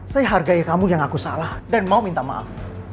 saya hargai kamu yang aku salah dan mau minta maaf